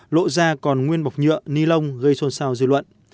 lộ ra còn nguyên bọc nhựa ni lông gây xôn xao dư luận